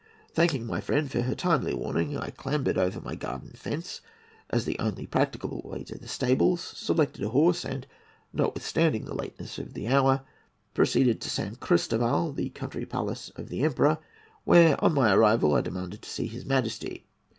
Thanking my friend for her timely warning, I clambered over my garden fence, as the only practicable way to the stables, selected a horse, and, notwithstanding the lateness of the hour, proceeded to San Christoval, the country palace of the Emperor, where, on my arrival, I demanded to see his Majesty.